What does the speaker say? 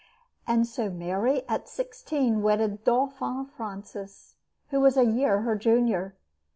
And so Mary, at sixteen, wedded the Dauphin Francis, who was a year her junior.